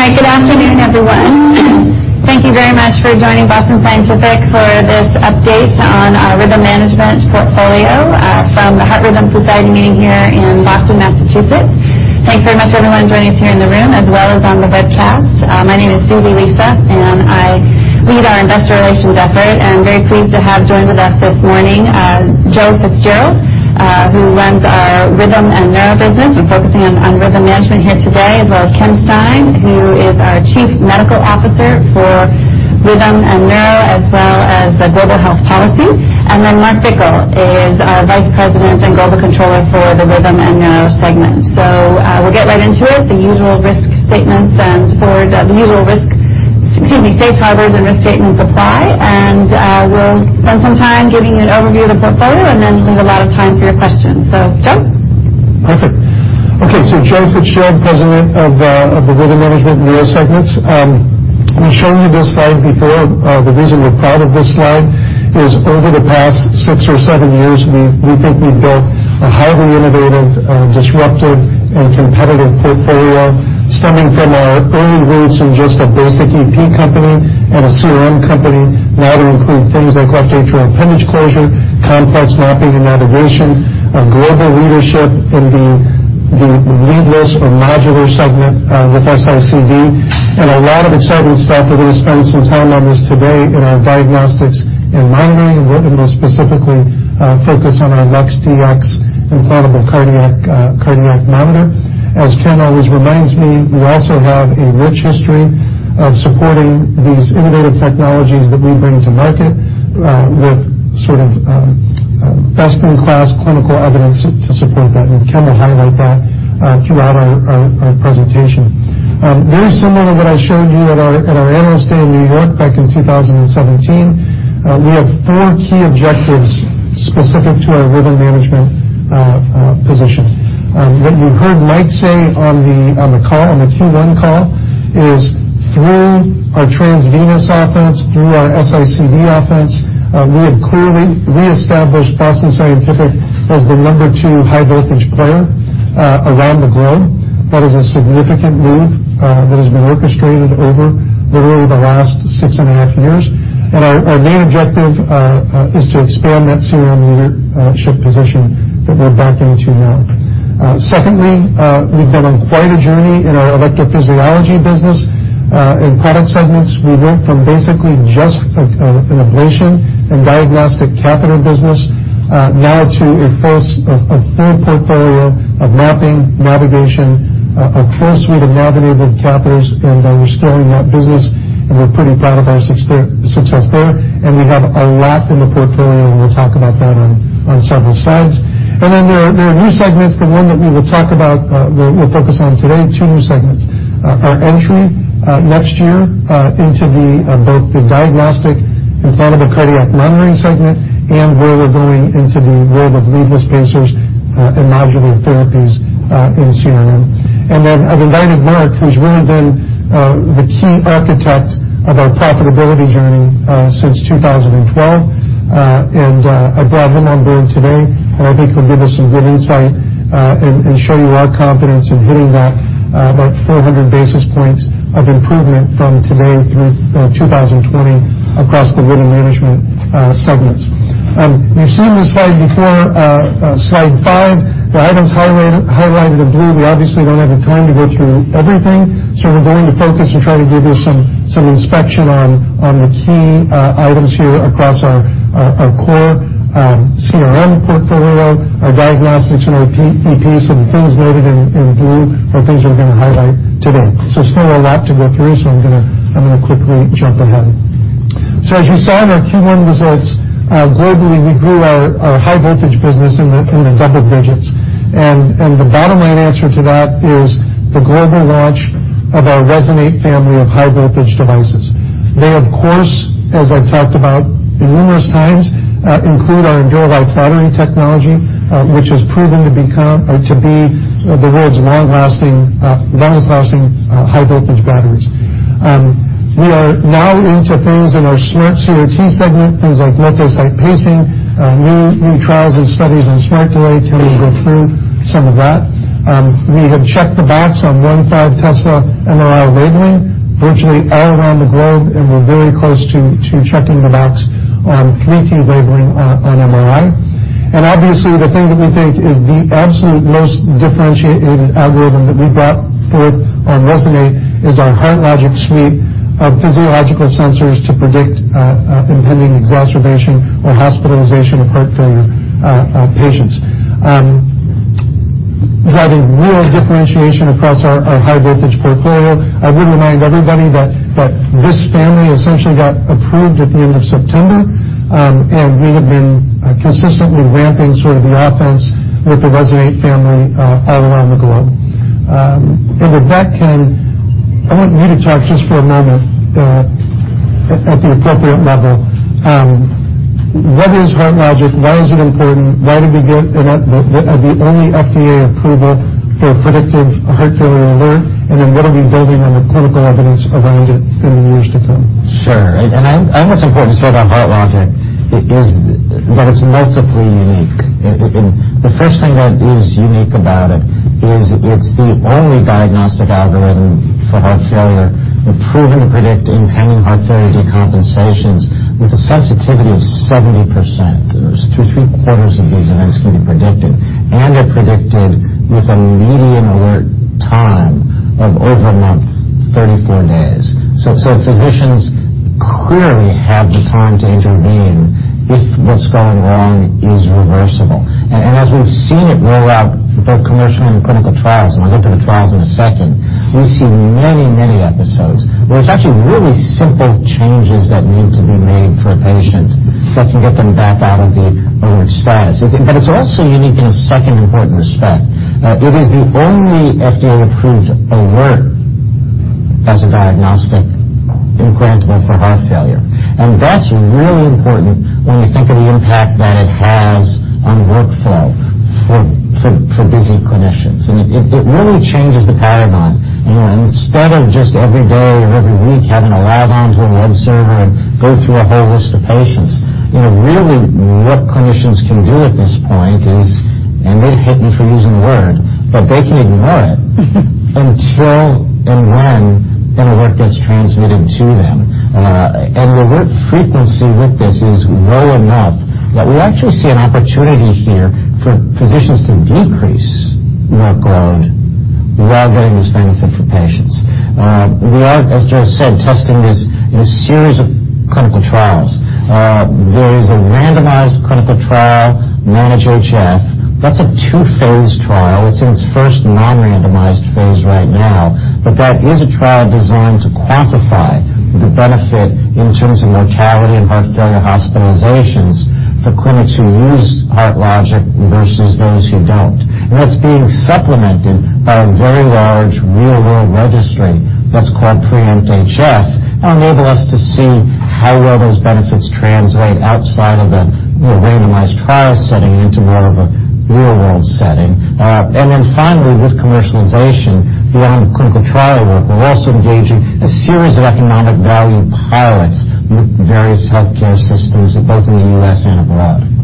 Good afternoon, everyone. Thank you very much for joining Boston Scientific for this update on our rhythm management portfolio from the Heart Rhythm Society meeting here in Boston, Massachusetts. Thanks very much everyone joining us here in the room, as well as on the webcast. My name is Susie Lisa, and I lead our investor relations effort. Very pleased to have joined with us this morning, Joe Fitzgerald, who runs our rhythm and neuro business. We're focusing on rhythm management here today, as well as Ken Stein, who is our Chief Medical Officer for rhythm and neuro, as well as the Global Health Policy. Then Mark Bickel is our Vice President and Global Controller for the rhythm and neuro segment. We'll get right into it. The usual risk statements and forward Excuse me, safe harbors and risk statements apply. We'll spend some time giving an overview of the portfolio, then leave a lot of time for your questions. Joe? Perfect. Joe Fitzgerald, President of the Rhythm Management Neuro Segments. We've shown you this slide before. The reason we're proud of this slide is over the past six or seven years, we think we've built a highly innovative, disruptive and competitive portfolio stemming from our early roots in just a basic EP company and a CRM company, now to include things like left atrial appendage closure, complex mapping and navigation, a global leadership in the leadless or modular segment with S-ICD and a lot of exciting stuff. We're going to spend some time on this today in our diagnostics and monitoring. We're going to specifically focus on our LUX-Dx implantable cardiac monitor. As Ken always reminds me, we also have a rich history of supporting these innovative technologies that we bring to market, with sort of best-in-class clinical evidence to support that. Ken will highlight that throughout our presentation. Very similar to what I showed you at our annual stay in New York back in 2017, we have four key objectives specific to our rhythm management position. What you heard Mike say on the Q1 call is through our transvenous offense, through our S-ICD offense, we have clearly reestablished Boston Scientific as the number 2 high voltage player around the globe. That is a significant move that has been orchestrated over literally the last six and a half years. Our main objective is to expand that CRM leadership position that we're back into now. Secondly, we've been on quite a journey in our electrophysiology business. In product segments, we went from basically just an ablation and diagnostic catheter business, now to a full portfolio of mapping, navigation, a full suite of navigable catheters, and we're scaling that business, and we're pretty proud of our success there, and we have a lot in the portfolio, and we'll talk about that on several slides. There are new segments. The one that we will talk about, we'll focus on today, two new segments. Our entry next year into both the diagnostic, implantable cardiac monitoring segment and where we're going into the world of leadless pacers and modular therapies in CRM. I've invited Mark, who's really been the key architect of our profitability journey since 2012. I brought him on board today, and I think he'll give us some good insight and show you our confidence in hitting that about 400 basis points of improvement from today through 2020 across the rhythm management segments. You've seen this slide before, slide five. The items highlighted in blue. We obviously don't have the time to go through everything, we're going to focus and try to give you some inspection on the key items here across our core CRM portfolio, our diagnostics and our EPs, and the things noted in blue are things we're going to highlight today. Still a lot to go through, so I'm going to quickly jump ahead. As you saw in our Q1 results, globally, we grew our high voltage business in the double digits. The bottom line answer to that is the global launch of our Resonate family of high voltage devices. They of course, as I've talked about numerous times, include our EnduraLife battery technology, which has proven to be the world's longest-lasting high voltage batteries. We are now into things in our smart CRT segment, things like multi-site pacing, new trials and studies on smart delay. Ken will go through some of that. We have checked the box on 1.5 Tesla MRI labeling virtually all around the globe, and we're very close to checking the box on 3T labeling on MRI. Obviously, the thing that we think is the absolute most differentiated algorithm that we brought forward on Resonate is our HeartLogic suite of physiological sensors to predict impending exacerbation or hospitalization of heart failure patients, driving real differentiation across our high voltage portfolio. I will remind everybody that this family essentially got approved at the end of September, and we have been consistently ramping sort of the offense with the Resonate family all around the globe. With that, Ken, I want you to talk just for a moment at the appropriate level, what is HeartLogic? Why is it important? Why did we get the only FDA approval for a predictive heart failure alert? What are we building on the clinical evidence around it in the years to come? Sure. I think it's important to say about HeartLogic that it's multiply unique. The first thing that is unique about it is it's the only diagnostic algorithm for heart failure and proven to predict impending heart failure decompensations with a sensitivity of 70%. Those three quarters of these events can be predicted, and are predicted with a median alert time of over a month, 34 days. Physicians clearly have the time to intervene if what's going wrong is reversible. As we've seen it roll out both commercially and in clinical trials, I'll get to the trials in a second, we see many episodes where it's actually really simple changes that need to be made for a patient that can get them back out of the alert status. It's also unique in a second important respect. It is the only FDA-approved alert as a diagnostic implantable for heart failure. That's really important when we think of the impact that it has on workflow for busy clinicians. I mean, it really changes the paradigm. Instead of just every day or every week having to log on to a web server and go through a whole list of patients, really what clinicians can do at this point is, and they'd hit me for using the word, but they can ignore it until and when an alert gets transmitted to them. The alert frequency with this is low enough that we actually see an opportunity here for physicians to decrease workload while getting this benefit for patients. We are, as Joe said, testing this in a series of clinical trials. There is a randomized clinical trial, MANAGE-HF. That's a two-phase trial. It's in its first non-randomized phase right now, that is a trial designed to quantify the benefit in terms of mortality and heart failure hospitalizations for clinics who use HeartLogic versus those who don't. That's being supplemented by a very large real-world registry that's called PREEMPT-HF, enable us to see how well those benefits translate outside of the randomized trial setting into more of a real-world setting. Finally, with commercialization, beyond clinical trial work, we're also engaging a series of economic value pilots with various healthcare systems, both in the U.S. and abroad.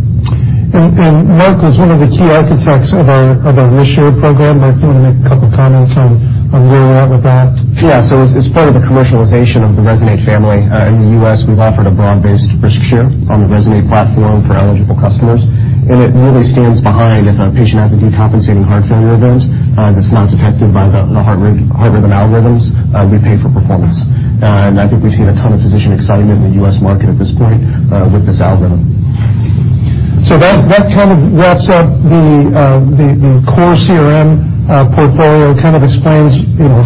Mark was one of the key architects of our risk share program. Mark, do you want to make a couple comments on laying out with that? As part of the commercialization of the Resonate family in the U.S., we have offered a broad-based risk share on the Resonate platform for eligible customers. It really stands behind if a patient has a decompensating heart failure event that is not detected by the HeartLogic algorithms, we pay for performance. I think we have seen a ton of physician excitement in the U.S. market at this point with this algorithm. That kind of wraps up the core CRM portfolio, kind of explains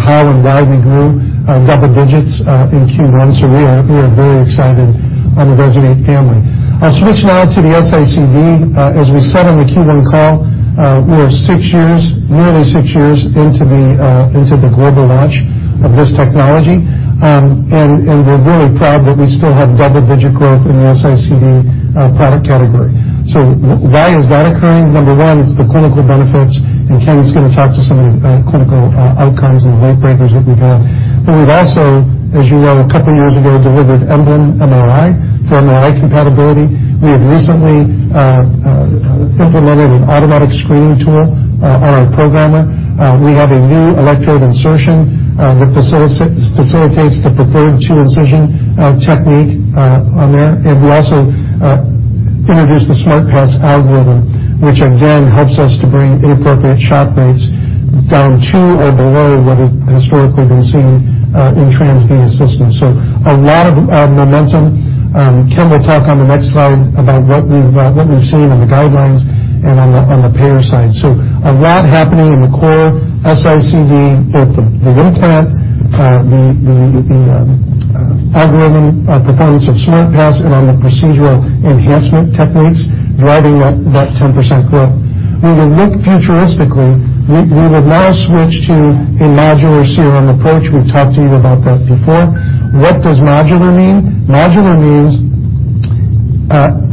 how and why we grew double digits in Q1. We are very excited on the Resonate family. I will switch now to the S-ICD. As we said on the Q1 call, we are nearly 6 years into the global launch of this technology, and we are really proud that we still have double-digit growth in the S-ICD product category. Why is that occurring? Number one, it is the clinical benefits, and Ken is going to talk to some of the clinical outcomes and late breakers that we have had. We have also, as you know, a couple of years ago, delivered EMBLEM MRI for MRI compatibility. We have recently implemented an automatic screening tool, RF programmer. We have a new electrode insertion that facilitates the preferred two-incision technique on there. We also introduced the SMART Pass algorithm, which again helps us to bring inappropriate shock rates down to or below what has historically been seen in transvenous systems. A lot of momentum. Ken will talk on the next slide about what we have seen on the guidelines and on the payer side. A lot happening in the core S-ICD, both the implant, the algorithm performance of SMART Pass and on the procedural enhancement techniques driving that 10% growth. We would now switch to a modular CRM approach. We have talked to you about that before. What does modular mean? Modular means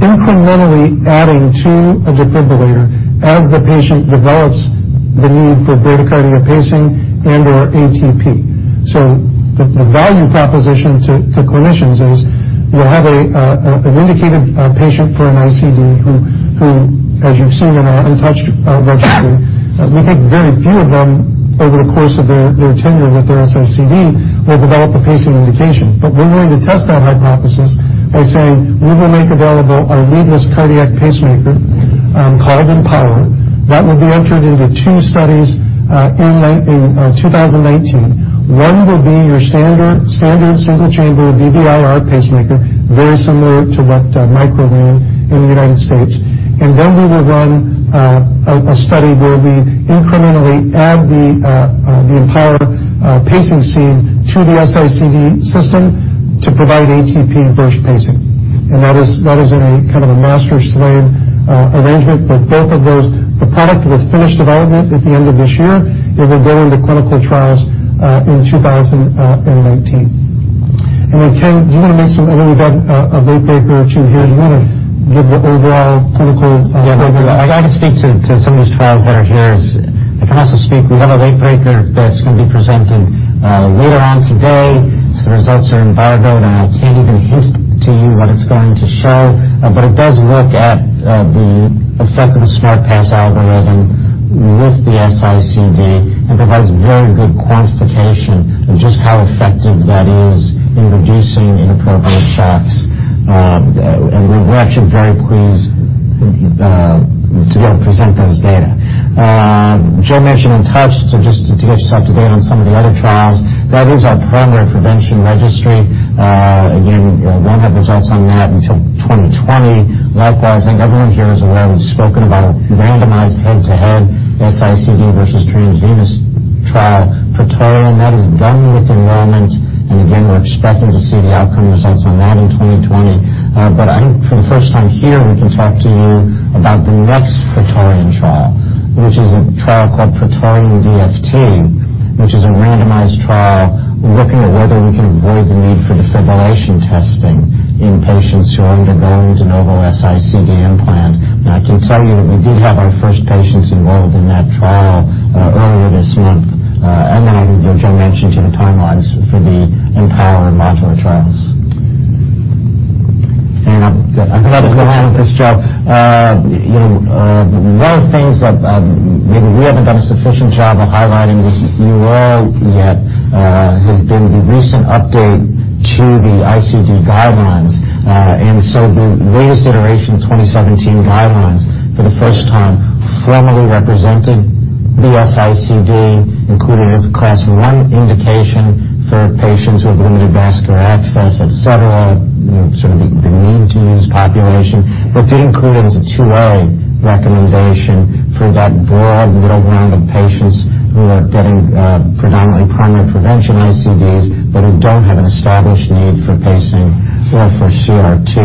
incrementally adding to a defibrillator as the patient develops the need for bradycardia pacing and/or ATP. The value proposition to clinicians is you have an indicated patient for an ICD who, as you have seen in our UNTOUCHED registry, we think very few of them over the course of their tenure with their S-ICD will develop a pacing indication. We are willing to test that hypothesis by saying we will make available our leadless cardiac pacemaker, called EMPOWER. That will be entered into two studies in 2019. One will be your standard single-chamber VVIR pacemaker, very similar to what Micra lead in the U.S. Then we will run a study where we incrementally add the EMPOWER pacing system to the S-ICD system to provide ATP burst pacing. That is in a kind of a master slave arrangement, but both of those, the product will finish development at the end of this year and will go into clinical trials in 2019. Ken, do you want to make some other late breaker or two here? Do you want to give the overall clinical program? I'd like to speak to some of these trials that are here as I can also speak, we have a late breaker that's going to be presented later on today. The results are embargoed, and I can't even hint to you what it's going to show. It does look at the effect of the SMART Pass algorithm with the S-ICD and provides very good quantification of just how effective that is in reducing inappropriate shocks. We're actually very pleased to be able to present those data. Joe mentioned UNTOUCHED, to just get yourself today on some of the other trials. That is our primary prevention registry. Again, won't have results on that until 2020. Likewise, I think everyone here is aware we've spoken about a randomized head-to-head S-ICD versus transvenous trial, PRAETORIAN. That is done with enrollment. Again, we're expecting to see the outcome results on that in 2020. I think for the first time here, we can talk to you about the next PRAETORIAN trial, which is a trial called PRAETORIAN-DFT, which is a randomized trial looking at whether we can avoid the need for defibrillation testing in patients who are undergoing de novo S-ICD implants. I can tell you that we did have our first patients enrolled in that trial earlier this month. Joe mentioned to the timelines for the EMPOWER and MODULAR trials. I could go on with this, Joe. One of the things that maybe we haven't done a sufficient job of highlighting with you all yet, has been the recent update to the ICD guidelines. The latest iteration of 2017 guidelines, for the first time, formally represented the S-ICD, including as a class 1 indication for patients with limited vascular access, et cetera, sort of the need-to-use population. Did include it as a 2A recommendation for that broad middle ground of patients who are getting predominantly primary prevention ICDs, but who don't have an established need for pacing or for CRT.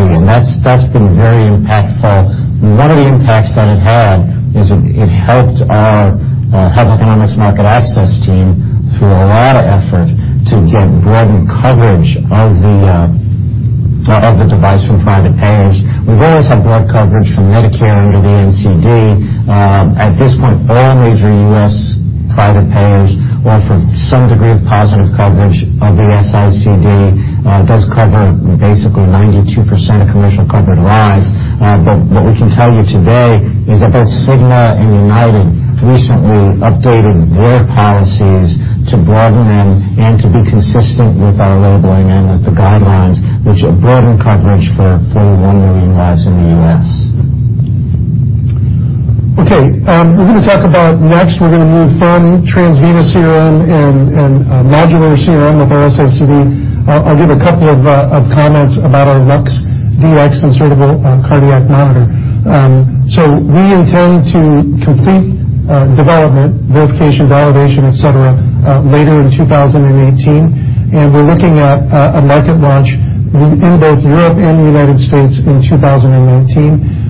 That's been very impactful. One of the impacts that it had is it helped our health economics market access team through a lot of effort to get broadened coverage of the device from private payers. We've always had broad coverage from Medicare under the NCD. At this point, all major U.S. private payers offer some degree of positive coverage of the S-ICD. It does cover basically 92% of commercial covered lives. What we can tell you today is that both Cigna and United recently updated their policies to broaden them and to be consistent with our labeling and with the guidelines which broaden coverage for 41 million lives in the U.S. Okay. We're going to talk about next, we're going to move from transvenous CRM and modular CRM with our S-ICD. I'll give a couple of comments about our LUX-Dx insertable cardiac monitor. We intend to complete development, verification, validation, et cetera, later in 2018. We're looking at a market launch in both Europe and the United States in 2019.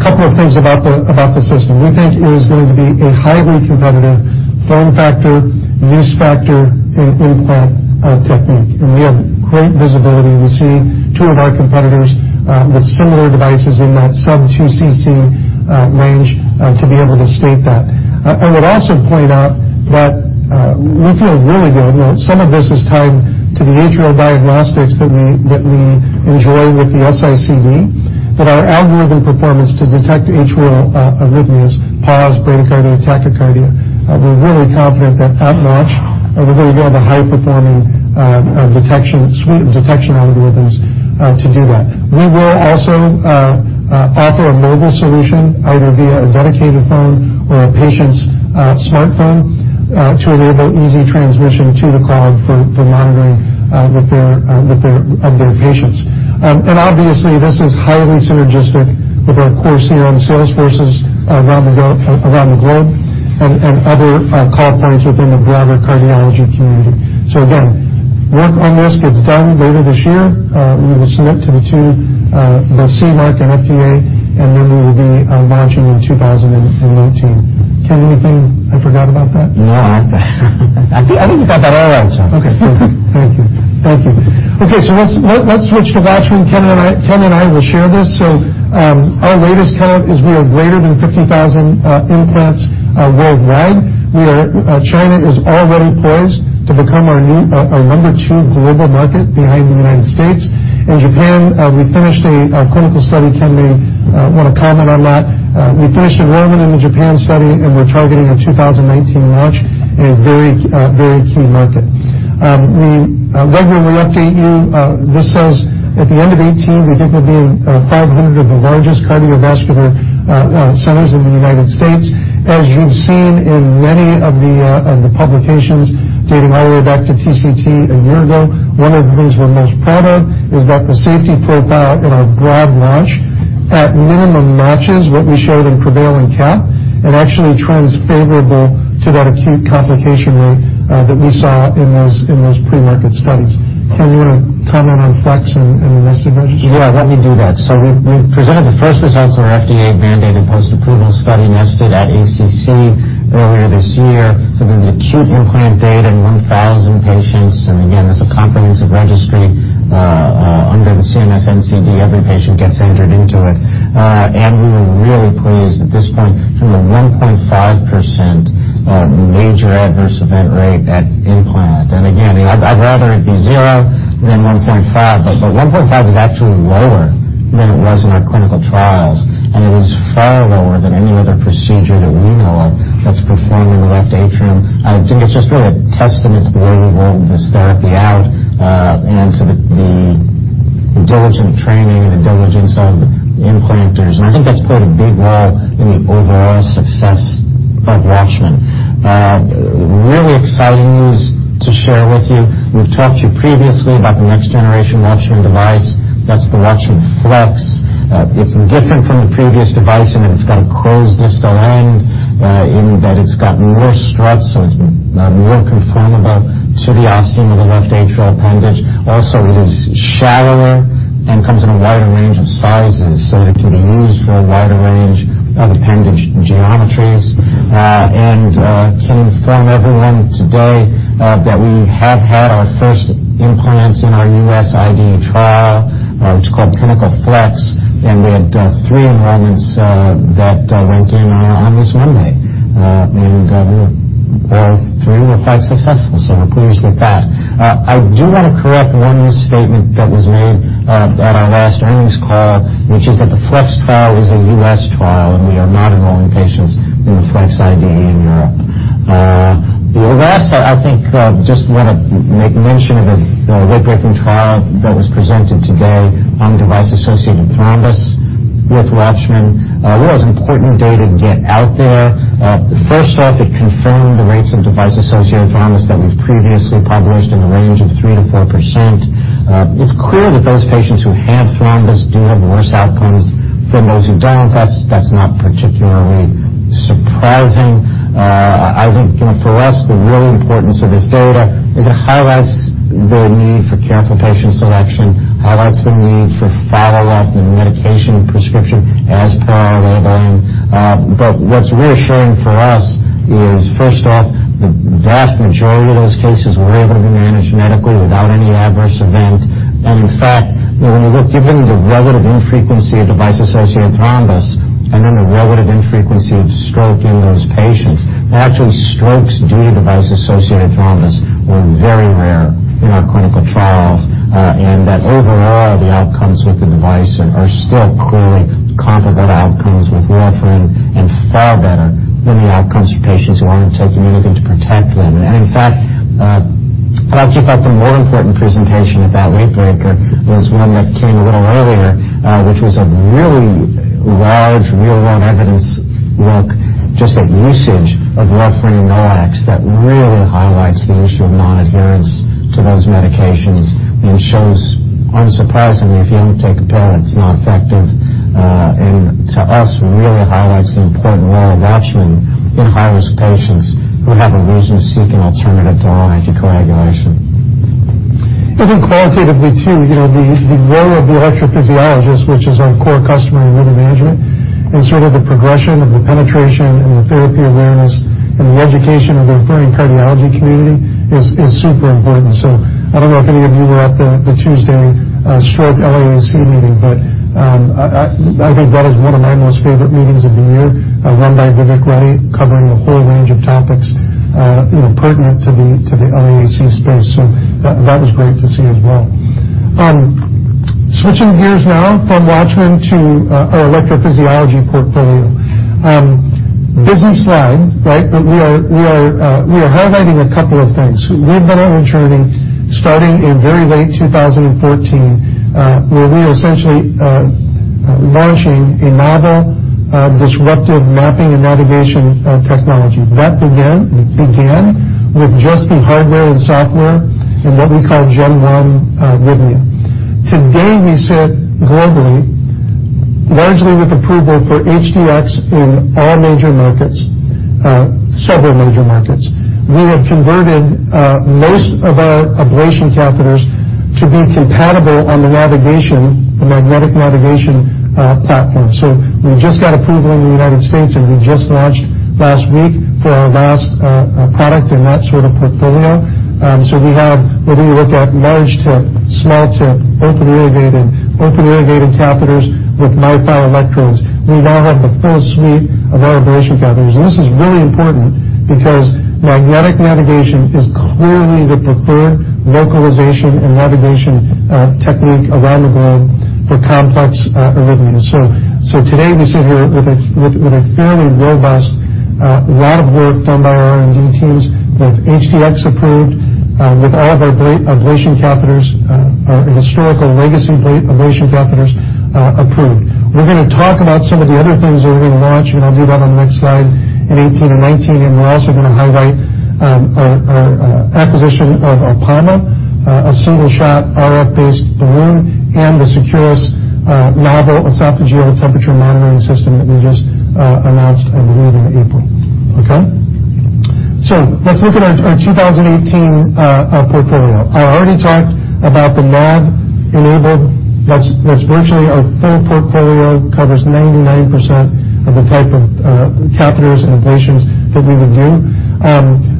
Couple of things about the system. We think it is going to be a highly competitive form factor, use factor, and implant technique. We have great visibility to see two of our competitors with similar devices in that sub 2cc range to be able to state that. I would also point out that we feel really good. Some of this is tied to the atrial diagnostics that we enjoy with the S-ICD. Our algorithm performance to detect atrial arrhythmias, pause, bradycardia, tachycardia, we're really confident they're top-notch, and we're going to have a high-performing suite of detection algorithms to do that. We will also offer a mobile solution, either via a dedicated phone or a patient's smartphone, to enable easy transmission to the cloud for monitoring of their patients. Obviously, this is highly synergistic with our core CRM sales forces around the globe and other call points within the broader cardiology community. Again, work on this gets done later this year. We will submit to the two, both CE mark and FDA, we will be launching in 2019. Ken, anything I forgot about that? No, I think you got that all right, Joe. Okay. Thank you. Okay, let's switch to WATCHMAN. Ken and I will share this. Our latest count is we are greater than 50,000 implants worldwide. China is already poised to become our number two global market behind the U.S. In Japan, we finished a clinical study. Ken may want to comment on that. We finished enrollment in the Japan study, and we're targeting a 2019 launch in a very key market. We regularly update you. This says at the end of 2018, we think there'll be 500 of the largest cardiovascular centers in the U.S. As you've seen in many of the publications dating all the way back to TCT a year ago, one of the things we're most proud of is that the safety profile in our gradual launch at minimum matches what we showed in PREVAIL and CAP, and actually trends favorable to that acute complication rate that we saw in those pre-market studies. Ken, you want to comment on FLX and NESTED registry? Let me do that. We presented the first results of our FDA-mandated post-approval study, NESTED, at ACC earlier this year. There's acute implant data in 1,000 patients, and again, this is a comprehensive registry. Under the CMS NCD, every patient gets entered into it. We were really pleased at this point from a 1.5% major adverse event rate at implant. Again, I'd rather it be zero than 1.5, but 1.5 is actually lower than it was in our clinical trials, and it is far lower than any other procedure that we know of that's performed in the left atrium. I think it's just been a testament to the way we rolled this therapy out, and to the diligence in training and the diligence of implanters. I think that's played a big role in the overall success of WATCHMAN. Really exciting news to share with you. We've talked to you previously about the next generation WATCHMAN device. That's the WATCHMAN FLX. It's different from the previous device in that it's got a closed distal end, in that it's got more struts, so it's more conformable to the ostium of the left atrial appendage. Also, it is shallower and comes in a wider range of sizes, so it can be used for a wider range of appendage geometries. Can inform everyone today, that we have had our first implants in our U.S. IDE trial, which is called PINNACLE FLX, and we had three enrollments that went in on this Monday. All three were quite successful, so we're pleased with that. I do want to correct one misstatement that was made at our last earnings call, which is that the FLX trial is a U.S. trial, and we are not enrolling patients in the FLX IDE in Europe. I think, just want to make mention of a late-breaking trial that was presented today on device-associated thrombus with WATCHMAN. Really was important data to get out there. First off, it confirmed the rates of device-associated thrombus that we've previously published in the range of 3%-4%. It's clear that those patients who have thrombus do have worse outcomes than those who don't. That's not particularly surprising. I think for us, the real importance of this data is it highlights the need for careful patient selection, highlights the need for follow-up and medication and prescription as per our labeling. What's reassuring for us is, first off, the vast majority of those cases were able to be managed medically without any adverse event. In fact, when you look given the relative infrequency of device-associated thrombus and then the relative infrequency of stroke in those patients, actually strokes due to device-associated thrombus were very rare in our clinical trials, and that overall, the outcomes with the device are still clearly comparable to outcomes with warfarin and far better than the outcomes for patients who aren't taking anything to protect them. In fact, I actually thought the more important presentation at that late breaker was one that came a little earlier, which was a really large real-world evidence look just at usage of warfarin and NOACs that really highlights the issue of non-adherence to those medications and shows, unsurprisingly, if you don't take a pill, it's not effective. To us, really highlights the important role of WATCHMAN in high-risk patients who have a reason to seek an alternative to anticoagulation. I think qualitatively, too, the role of the electrophysiologist, which is our core customer in Rhythm Management and sort of the progression of the penetration and the therapy awareness and the education of the referring cardiology community is super important. I don't know if any of you were at the Tuesday stroke LAAC meeting, but I think that is one of my most favorite meetings of the year, run by Vivek Reddy, covering a whole range of topics pertinent to the LAAC space. That was great to see as well. Switching gears now from WATCHMAN to our electrophysiology portfolio. Business line, we are highlighting a couple of things. We've been on a journey starting in very late 2014, where we are essentially launching a novel disruptive mapping and navigation technology. That began with just the hardware and software in what we call Gen 1 RHYTHMIA. Today, we sit globally, largely with approval for HDx in all major markets, several major markets. We have converted most of our ablation catheters to be compatible on the magnetic navigation platform. We've just got approval in the U.S., and we just launched last week for our last product in that sort of portfolio. We have, whether you look at large tip, small tip, open irrigated catheters with MiFi electrodes, we now have the full suite of our ablation catheters. This is really important because magnetic navigation is clearly the preferred localization and navigation technique around the globe for complex arrhythmias. Today, we sit here with a fairly robust lot of work done by our R&D teams with HDx approved, with all of our ablation catheters, our historical legacy ablation catheters approved. We're going to talk about some of the other things that we're going to launch, I'll do that on the next slide in 2018 and 2019. We're also going to highlight our acquisition of Apama, a single-shot RF balloon, and the Securus novel esophageal temperature monitoring system that we just announced, I believe, in April. Okay. Let's look at our 2018 portfolio. I already talked about the NAV-enabled. That's virtually our full portfolio, covers 99% of the type of catheters and ablations that we would do.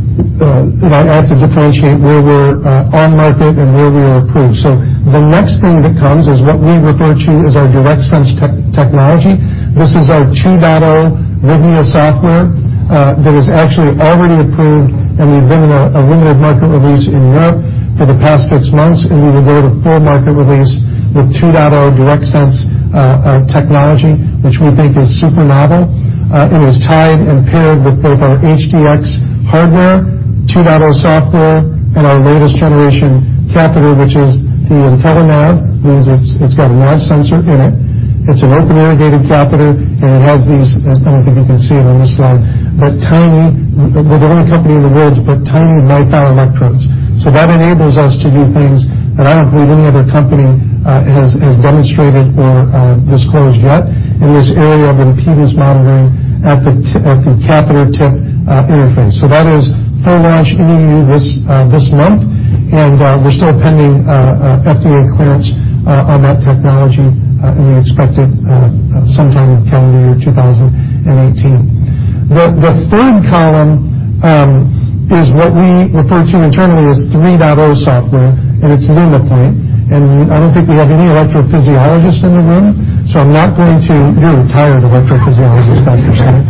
I have to differentiate where we're on market and where we are approved. The next thing that comes is what we refer to as our DIRECTSENSE technology. This is our 2.0 Vidria software, that is actually already approved. We've been in a limited market release in Europe for the past six months. We will go to full market release with 2.0 DIRECTSENSE technology, which we think is super novel. It is tied and paired with both our HDx hardware, 2.0 software, and our latest generation catheter, which is the INTELLANAV. It means it's got a NAV sensor in it. It's an open, irrigated catheter, and it has these, I don't know if you can see it on this slide, but We're the only company in the world, but tiny mini electrodes. That enables us to do things that I don't believe any other company has demonstrated or disclosed yet in this area of impedance modeling at the catheter tip interface. That is full launch in EU this month. We're still pending FDA clearance on that technology. We expect it sometime in calendar year 2018. The third column is what we refer to internally as 3.0 software, it's Lumipoint. I don't think we have any electrophysiologists in the room. You're a retired electrophysiologist, Dr. Stein.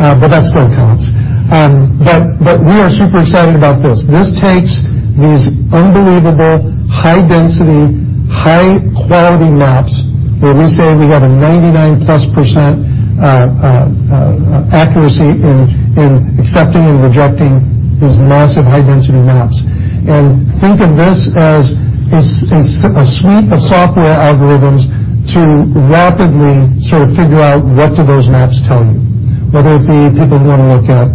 That still counts. We are super excited about this. This takes these unbelievable high-density, high-quality maps where we say we have a 99-plus% accuracy in accepting and rejecting these massive high-density maps. Think of this as a suite of software algorithms to rapidly sort of figure out what do those maps tell you. Whether it be people who want to look at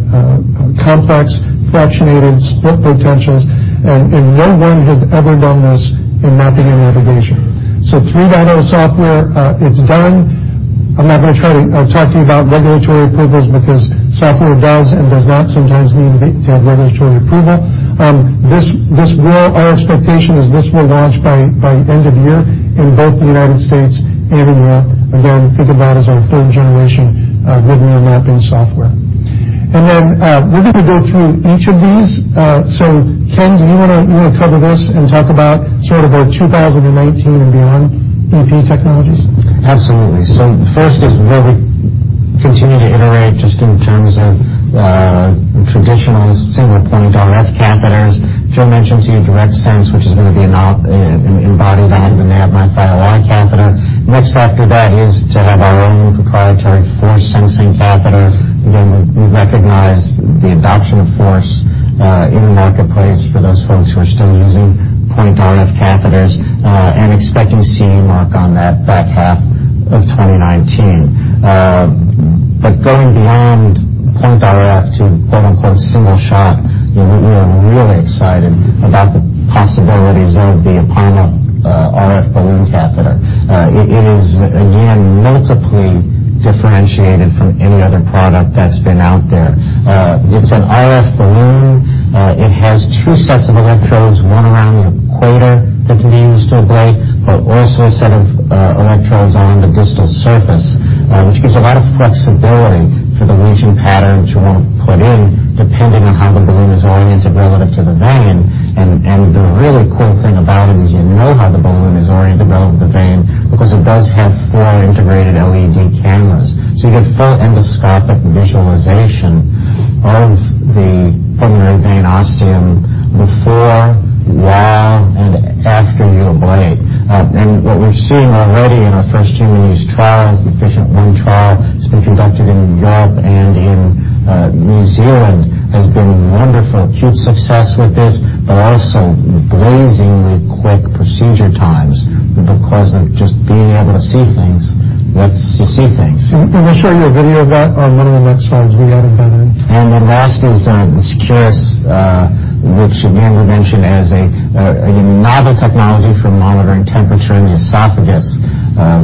complex, fractionated split potentials, no one has ever done this in mapping and navigation. 3.0 software, it's done. I'm not going to try to talk to you about regulatory approvals because software does and does not sometimes need to have regulatory approval. Our expectation is this will launch by end of year in both the U.S. and in Europe. Again, think of that as our third-generation Vidria mapping software. We're going to go through each of these. Ken, do you want to cover this and talk about sort of our 2019 and beyond EP technologies? Absolutely. First is where we continue to iterate just in terms of traditional single point RF catheters. Joe mentioned to you DIRECTSENSE, which is going to be embodied in the NAV MiFi OI catheter. Next after that is to have our own proprietary force-sensing catheter. Again, we recognize the adoption of force in the marketplace for those folks who are still using point RF catheters, and expecting CE mark on that back half of 2019. Going beyond point RF to "single shot," we are really excited about the possibilities of the Apama RF balloon catheter. It is again multiply differentiated from any other product that's been out there. It's an RF balloon. It has two sets of electrodes, one around the equator that can be used to ablate, but also a set of electrodes on the distal surface, which gives a lot of flexibility for the lesion pattern which you want to put in, depending on how the balloon is oriented relative to the vein. The really cool thing about it is you know how the balloon is oriented relative to the vein because it does have four integrated LED cameras. You get full endoscopic visualization of the pulmonary vein ostium before, while, and after you ablate. What we're seeing already in our first human use trials, the AF-FICIENT I trial that's been conducted in Europe and in New Zealand, has been wonderful. Huge success with this, but also blazingly quick procedure times because of just being able to see things lets you see things. We'll show you a video of that on one of the next slides. We got it better. Last is the Securus, which again, we mentioned as a novel technology for monitoring temperature in the esophagus.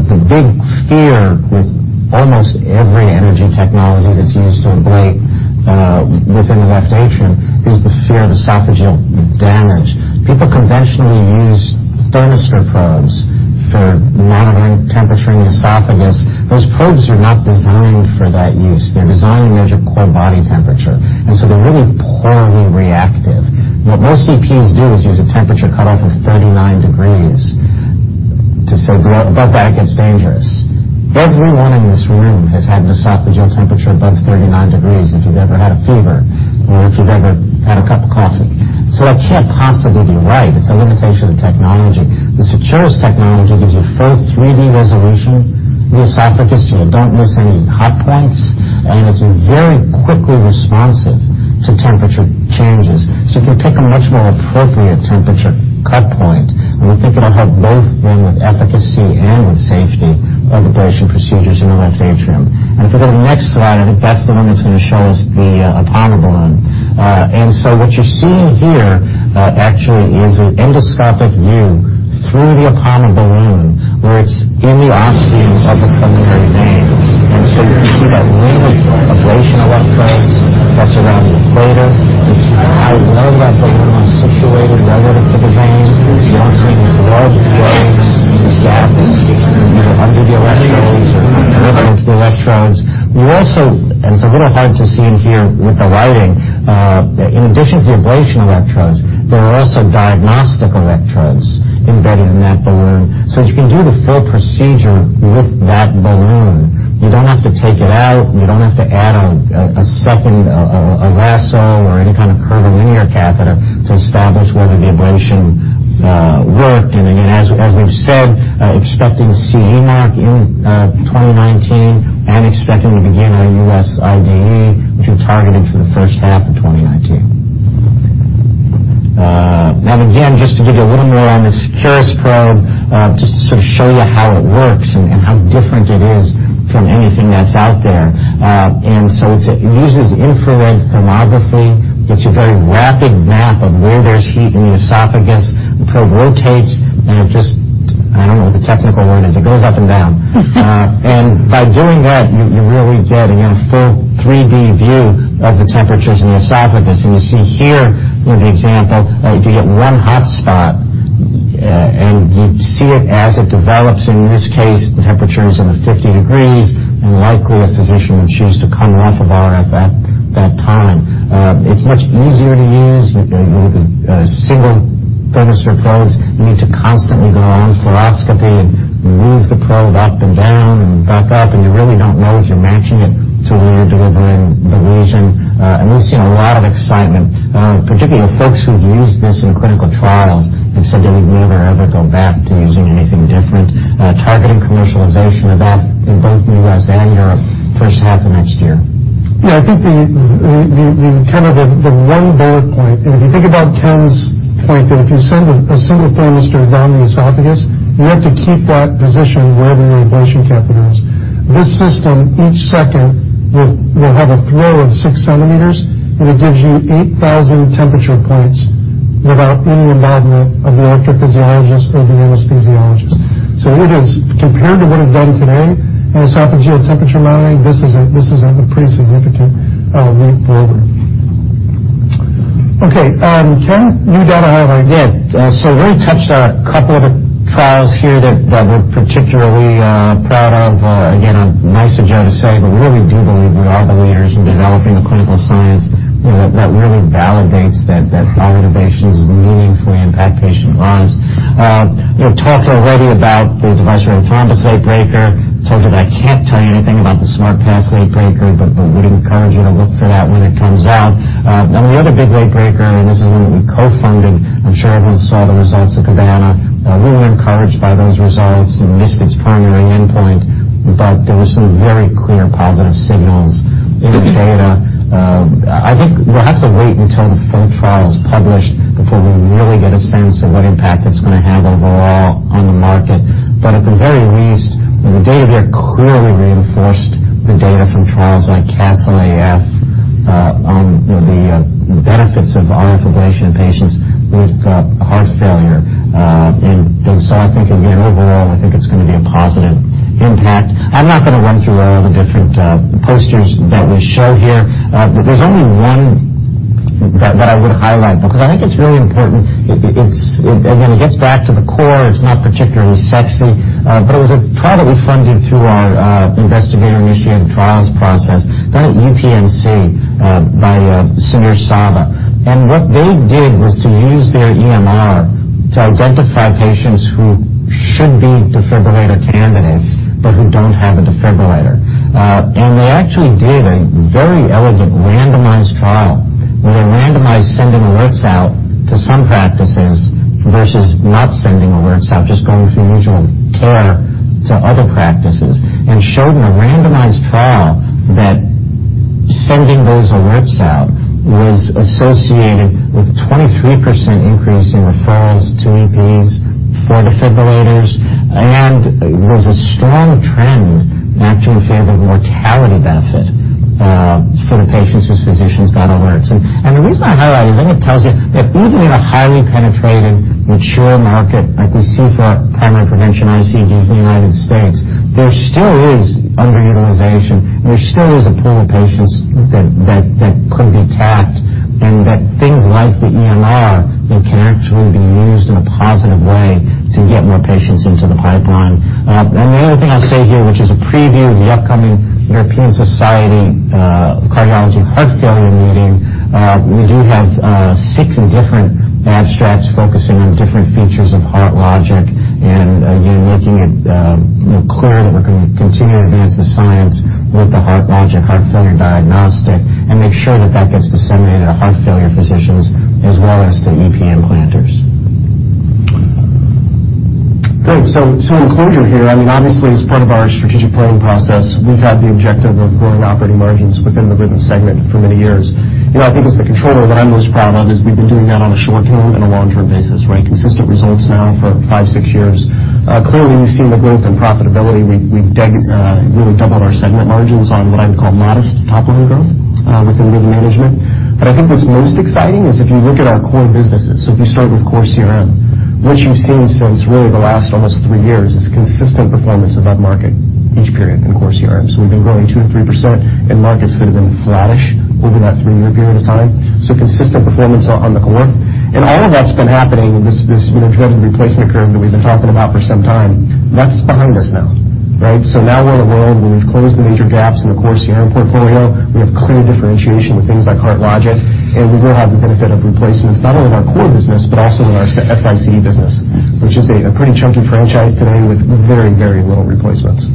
The big fear with almost every energy technology that's used to ablate within the left atrium is the fear of esophageal damage. People conventionally use thermistor probes for monitoring temperature in the esophagus. Those probes are not designed for that use. They're designed to measure core body temperature, and they're really poorly reactive. What most EPs do is use a temperature cutoff of 39 degrees to say above that, it gets dangerous. Every one in this room has had an esophageal temperature above 39 degrees if you've ever had a fever or if you've ever had a cup of coffee. That can't possibly be right. It's a limitation of technology. The Securus technology gives you full 3D resolution of the esophagus, you don't miss any hot points, and it's very quickly responsive to temperature changes. You can pick a much more appropriate temperature cut point, and we think it'll help both then with efficacy and with safety of ablation procedures in the left atrium. If we go to the next slide, I think that's the one that's going to show us the Apama balloon. What you're seeing here actually is an endoscopic view through the Apama balloon, where it's in the ostium of the pulmonary vein. You know that balloon is situated relative to the vein. You're seeing blood flows and gaps either under the electrodes or relevant to the electrodes. We also, it's a little hard to see in here with the lighting, in addition to the ablation electrodes, there are also diagnostic electrodes embedded in that balloon. You can do the full procedure with that balloon. You don't have to take it out, and you don't have to add a second lasso or any kind of curvilinear catheter to establish whether the ablation worked. Again, as we've said, expecting a CE mark in 2019 and expecting to begin our U.S. IDE, which we've targeted for the first half of 2019. Now, again, just to give you a little more on the Securus probe, just to sort of show you how it works and how different it is from anything that's out there. It uses infrared thermography, gets a very rapid map of where there's heat in the esophagus. The probe rotates, it just I don't know what the technical word is. It goes up and down. By doing that, you really get a full 3D view of the temperatures in the esophagus. You see here, in the example, if you get one hot spot and you see it as it develops, in this case, the temperature is in the 50 degrees, and likely a physician would choose to come off of RF at that time. It's much easier to use. With the single thermistor probes, you need to constantly go on fluoroscopy and move the probe up and down and back up, and you really don't know if you're matching it to where you're delivering the lesion. We've seen a lot of excitement, particularly the folks who've used this in clinical trials have said they would never, ever go back to using anything different. Targeting commercialization of that in both the U.S. and Europe first half of next year. I think the kind of the one bullet point, if you think about Ken's point that if you send a single thermistor down the esophagus, you have to keep that position wherever your ablation catheter is. This system, each second, will have a throw of six centimeters, and it gives you 8,000 temperature points without any involvement of the electrophysiologist or the anesthesiologist. Compared to what is done today in esophageal temperature modeling, this is a pretty significant leap forward. Okay, Ken, new data, however. We touched on a couple other trials here that we're particularly proud of. Again, nice of Joe to say, but we really do believe we are the leaders in developing the clinical science that really validates that our innovations meaningfully impact patient lives. We talked already about the device-related thrombus latebreaker. Told you that I can't tell you anything about the SMART Pass latebreaker, but we would encourage you to look for that when it comes out. The other big latebreaker, and this is one that we co-funded, I'm sure everyone saw the results of CABANA. Really encouraged by those results. It missed its primary endpoint, but there were some very clear positive signals in the data. I think we'll have to wait until the full trial is published before we really get a sense of what impact it's going to have overall on the market. At the very least, the data there clearly reinforced the data from trials like CASTLE-AF on the benefits of RF ablation in patients with heart failure. I think again, overall, I think it's going to be a positive impact. I'm not going to run through all the different posters that we show here. There's only one that I would highlight because I think it's really important. Again, it gets back to the core. It's not particularly sexy. It was a trial that we funded through our investigator-initiated trials process done at UPMC by Samir Saba. What they did was to use their EMR to identify patients who should be defibrillator candidates but who do not have a defibrillator. They actually did a very elegant randomized trial where they randomized sending alerts out to some practices versus not sending alerts out, just going through usual care to other practices, and showed in a randomized trial that sending those alerts out was associated with a 23% increase in referrals to EPs for defibrillators, and there was a strong trend actually in favor of a mortality benefit for the patients whose physicians got alerts. The reason I highlight it is I think it tells you that even in a highly penetrated, mature market like we see for primary prevention ICDs in the United States, there still is underutilization. There still is a pool of patients that could be tapped and that things like the EMR can actually be used in a positive way to get more patients into the pipeline. The only other thing I will say here, which is a preview of the upcoming European Society of Cardiology heart failure meeting, we do have six different abstracts focusing on different features of HeartLogic and again, making it clear that we are going to continue to advance the science with the HeartLogic heart failure diagnostic and make sure that that gets disseminated to heart failure physicians as well as to EP implanters. Great. In closure here, obviously, as part of our strategic planning process, we have had the objective of growing operating margins within the rhythms segment for many years. I think as the controller, what I am most proud of is we have been doing that on a short-term and a long-term basis, right? Consistent results now for five, six years. Clearly, we have seen the growth and profitability. We have really doubled our segment margins on what I would call modest top-line growth within rhythm management. I think what is most exciting is if you look at our core businesses, if you start with Core CRM, what you have seen since really the last almost three years is consistent performance above market each period in Core CRM. 2% to 3% in markets that have been flattish over that three-year period of time. Consistent performance on the core. All of that has been happening, this dreaded replacement curve that we have been talking about for some time, that is behind us now. Now we are in a world where we have closed the major gaps in the core CRM portfolio. We have clear differentiation with things like HeartLogic, and we will have the benefit of replacements, not only in our core business, but also in our S-ICD business, which is a pretty chunky franchise today with very low replacements.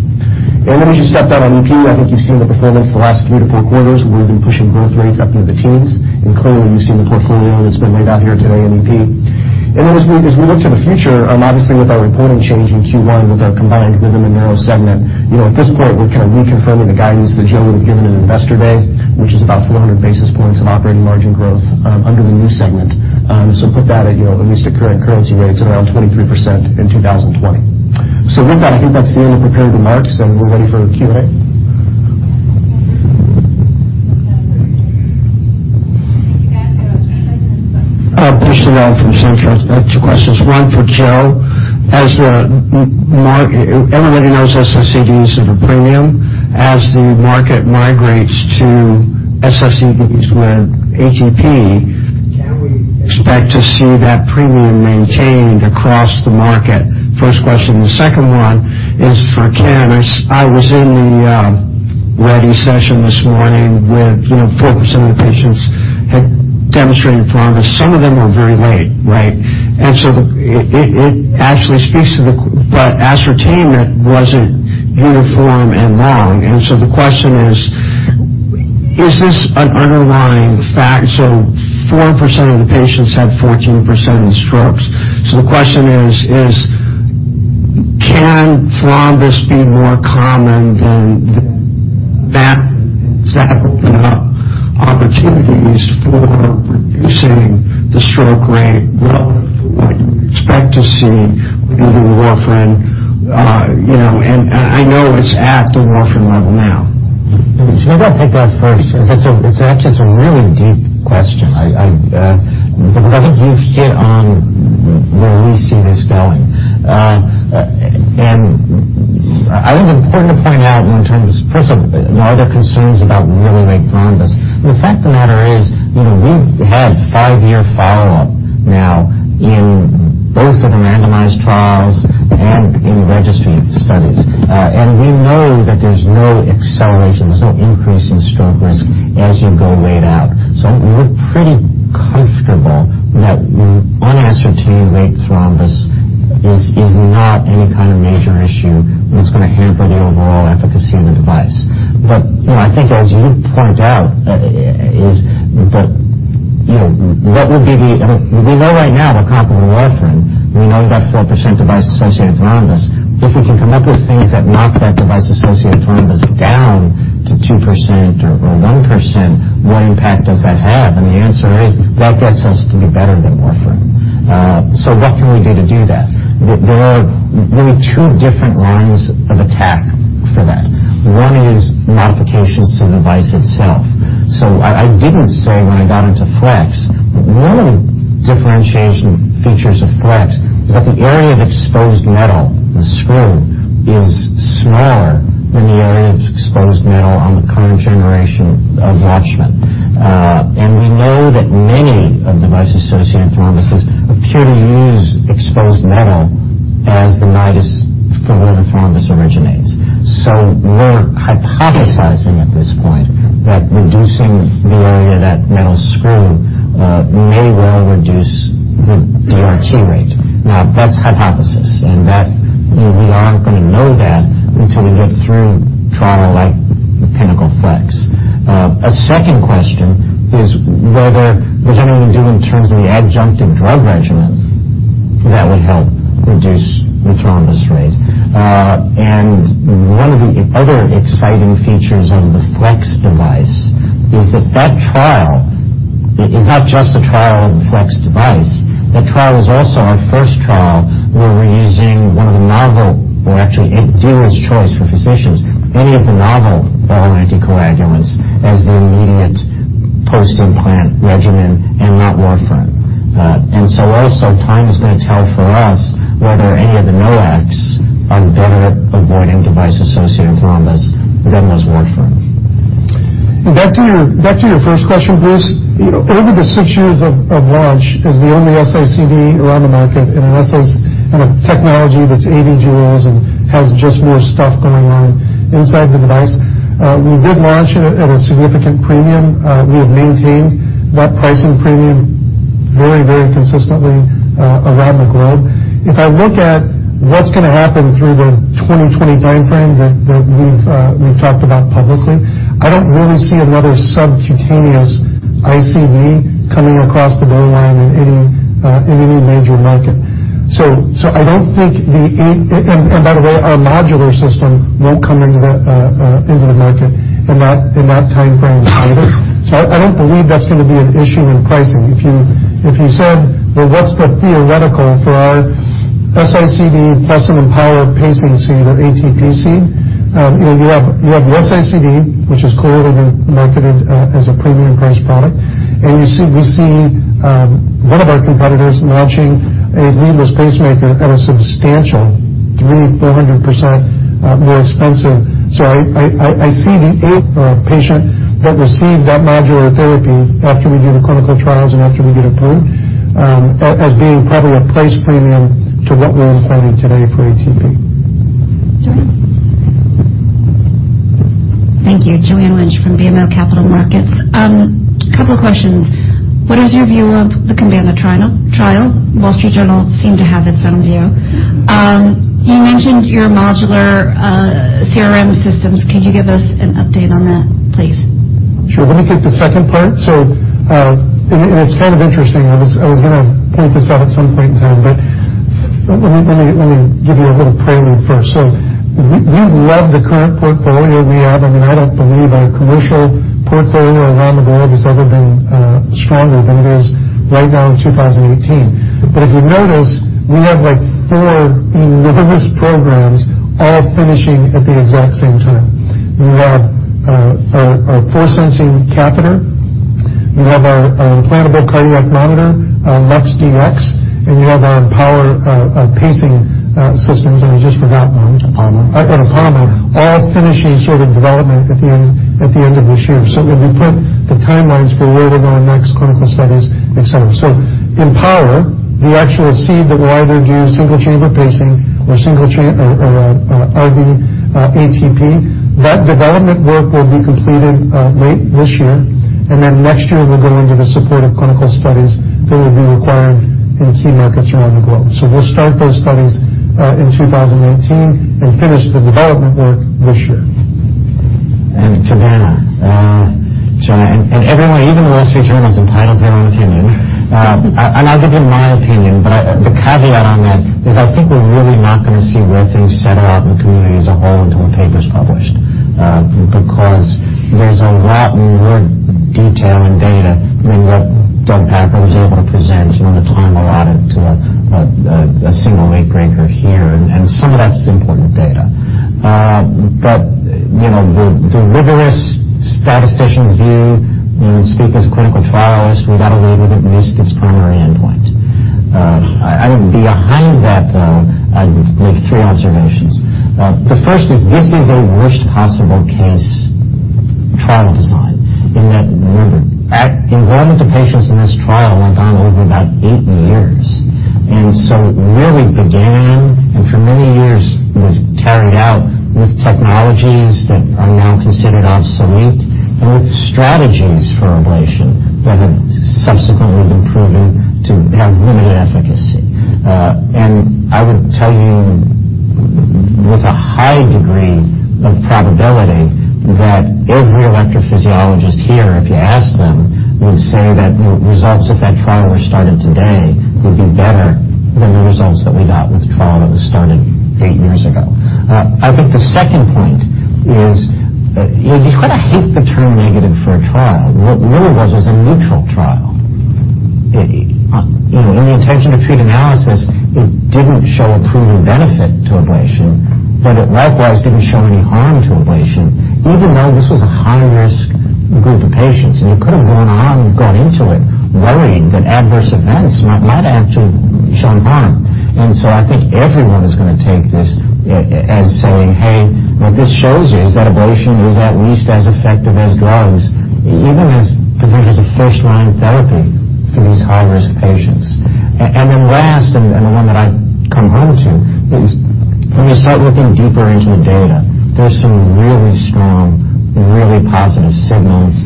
As you stepped out on EP, I think you have seen the performance the last three to four quarters, where we have been pushing growth rates up into the teens. Clearly, you have seen the portfolio that has been laid out here today in EP. As we look to the future, obviously with our reporting change in Q1 with our combined Rhythm and Neuro segment, at this point, we're kind of reconfirming the guidance that Joe would have given at Investor Day, which is about 400 basis points of operating margin growth under the new segment. Put that at least at current currency rates, around 23% in 2020. With that, I think that's the end of prepared remarks, and we're ready for QA. Bruce Nudell from Centaurus. Two questions, one for Joe. Everybody knows S-ICD is at a premium. As the market migrates to S-ICDs with ATP, can we expect to see that premium maintained across the market? First question. The second one is for Ken. I was in the Reddy session this morning with 4% of the patients had demonstrated thrombus. Some of them were very late. It actually speaks to the But ascertainment wasn't uniform and long. The question is this an underlying fact? 4% of the patients had 14% in strokes. The question is, can thrombus be more common than that? Does that open up opportunities for reducing the stroke rate? What do we expect to see with the warfarin? I know it's at the warfarin level now. Maybe I'll take that first, because it's actually, it's a really deep question. I think you've hit on where we see this going. I think it's important to point out in terms of, first of all, are there concerns about really late thrombus? The fact of the matter is, we've had five-year follow-up now in both of the randomized trials and in registry studies. We know that there's no acceleration, there's no increase in stroke risk as you go late out. We're pretty comfortable that on ascertain late thrombus is not any kind of major issue that's going to hamper the overall efficacy of the device. I think as you pointed out, we know right now the comparable warfarin, we know we've got 4% device-associated thrombus. If we can come up with things that knock that device-associated thrombus down to 2% or 1%, what impact does that have? The answer is, that gets us to be better than warfarin. What can we do to do that? There are really two different lines of attack for that. One is modifications to the device itself. I didn't say when I got into FLEX, one of the differentiation features of FLEX is that the area of exposed metal, the screw, is smaller than the area of exposed metal on the current generation of WATCHMAN. We know that many of device-associated thrombuses appear to use exposed metal as the nidus for where the thrombus originates. We're hypothesizing at this point that reducing the area of that metal screw may well reduce the DRC rate. That's hypothesis, and that we aren't going to know that until we get through a trial like PINNACLE FLX. A second question is whether there's anything we can do in terms of the adjunctive drug regimen that would help reduce the thrombus rate. One of the other exciting features of the FLX device is that that trial is not just a trial of the FLX device. That trial is also our first trial where we're using one of the novel, or actually it's a choice for physicians, any of the novel oral anticoagulants as the immediate post-implant regimen and not warfarin. Also time is going to tell for us whether any of the NOACs are better at avoiding device-associated thrombus than was warfarin. Back to your first question, Bruce. Over the six years of launch as the only S-ICD around the market, and unless there's a technology that's AV duals and has just more stuff going on inside the device, we did launch it at a significant premium. We have maintained that pricing premium very consistently around the globe. If I look at what's going to happen through the 2020 time frame that we've talked about publicly, I don't really see another subcutaneous ICD coming across the goal line in any major market. By the way, our modular system won't come into the market in that time frame either. I don't believe that's going to be an issue in pricing. If you said, "Well, what's the theoretical for our S-ICD plus an EMPOWER pacing seed or ATP seed?" You have the S-ICD, which has clearly been marketed as a premium price product. We see one of our competitors launching a leadless pacemaker at a substantial 300%-400% more expensive. I see the patient that received that modular therapy after we do the clinical trials and after we get approved, as being probably a price premium to what we're implying today for ATP. Joanne. Thank you. Joanne Wuensch from BMO Capital Markets. A couple questions. What is your view of the CABANA trial? The Wall Street Journal seemed to have its own view. You mentioned your modular CRM systems. Could you give us an update on that, please? Sure. Let me take the second part. It's kind of interesting. I was going to point this out at some point in time, but let me give you a little prelude first. We love the current portfolio we have. I don't believe our commercial portfolio around the world has ever been stronger than it is right now in 2018. If you notice, we have four enormous programs all finishing at the exact same time. We have our force sensing catheter, we have our implantable cardiac monitor, our LUX-Dx, and we have our EMPOWER pacing systems, and I just forgot one. Apama. Apama, all finishing development at the end of this year. When we put the timelines for where they're going next, clinical studies, et cetera. EMPOWER, the actual seed of why they're doing single-chamber pacing or RVATP, that development work will be completed late this year, and then next year we'll go into the supportive clinical studies that will be required in key markets around the globe. We'll start those studies in 2019 and finish the development work this year. CABANA. Everyone, even The Wall Street Journal, is entitled to their own opinion. I'll give you my opinion, but the caveat on that is I think we're really not going to see where things settle out in the community as a whole until the paper's published. Because there's a lot more detail and data than what Doug Packer was able to present in the time allotted to a single late breaker here, and some of that's important data. The rigorous statistician's view, and speaking as a clinical trialist, we've got to leave it at least its primary endpoint. I think behind that, though, I would make three observations. The first is this is a worst possible case trial design in that, remember, enrollment of patients in this trial went on over about eight years. It really began, and for many years was carried out with technologies that are now considered obsolete, and with strategies for ablation that have subsequently been proven to have limited efficacy. I would tell you with a high degree of probability that every electrophysiologist here, if you ask them, would say that the results if that trial were started today would be better than the results that we got with the trial that was started 8 years ago. The second point is you've got to hate the term negative for a trial. What it really was is a neutral trial. In the intention to treat analysis, it didn't show a proven benefit to ablation, but it likewise didn't show any harm to ablation, even though this was a high-risk group of patients. It could have gone on and gone into it worrying that adverse events might actually show harm. I think everyone is going to take this as saying, hey, what this shows you is that ablation is at least as effective as drugs, even as a first-line therapy for these high-risk patients. Last, and the one that I come home to is when you start looking deeper into the data, there's some really strong, really positive signals.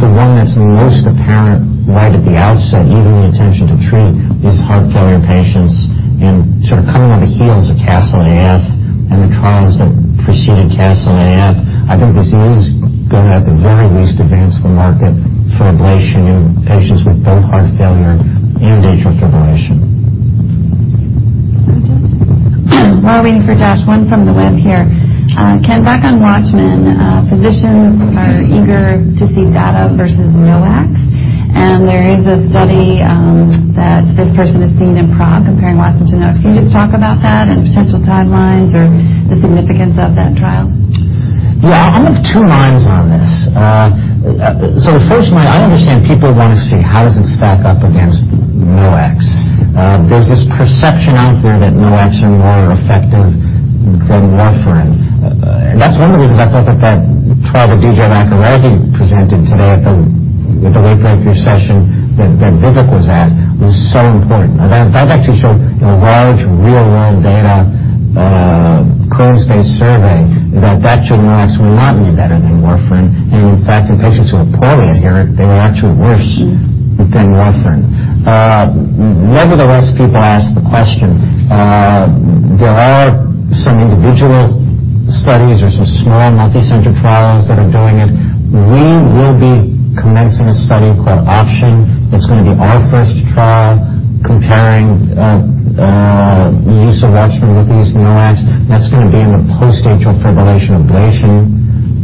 The one that's most apparent right at the outset, even the intention to treat, is heart failure patients and sort of coming on the heels of CASTLE-AF and the trials that preceded CASTLE-AF. This is going to, at the very least, advance the market for ablation in patients with both heart failure and atrial fibrillation. Go, Josh. While waiting for Josh, one from the web here. Ken, back on WATCHMAN, physicians are eager to see data versus NOACs, there is a study that this person has seen in Prague comparing WATCHMAN to NOACs. Can you just talk about that and potential timelines or the significance of that trial? Yeah. I'm of two minds on this. First, I understand people want to see how does it stack up against NOACs. There's this perception out there that NOACs are more effective than warfarin. That's one of the reasons I thought that that trial that DJ McAleery presented today at the late-breaker session that Vivek was at was so important. That actually showed in a large real-world data claims-based survey that those NOACs were not any better than warfarin. In fact, in patients who were poorly adherent, they were actually worse than warfarin. Nevertheless, people ask the question. There are some individual studies or some small multi-center trials that are doing it. We will be commencing a study called OPTION. It's going to be our first trial comparing use of WATCHMAN with these NOACs, and that's going to be in the post-atrial fibrillation ablation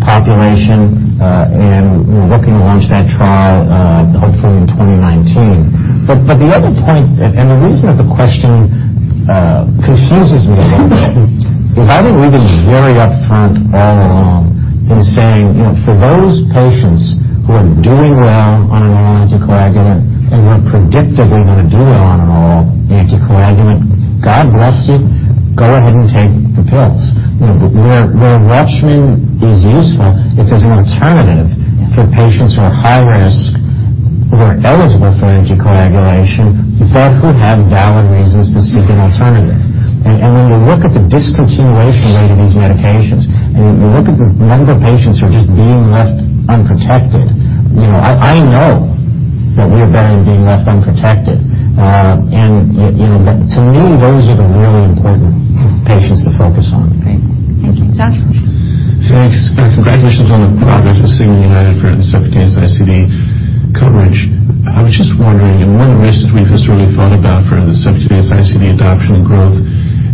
population. We're looking to launch that trial hopefully in 2019. The other point, the reason that the question confuses me a little bit I think we've been very upfront all along in saying, for those patients who are doing well on an oral anticoagulant and we're predictably going to do well on an oral anticoagulant, God bless you, go ahead and take the pills. Where WATCHMAN is useful, it's as an alternative for patients who are high risk, who are eligible for anticoagulation, but who have valid reasons to seek an alternative. When you look at the discontinuation rate of these medications, you look at the number of patients who are just being left unprotected, I know that we have been left unprotected. To me, those are the really important patients to focus on. Okay. Thank you. Joshua? Thanks. Congratulations on the progress with Cigna UnitedHealthcare for the sudden cardiac death ICD coverage. I was just wondering, one of the risks we've historically thought about for the sudden cardiac death ICD adoption and growth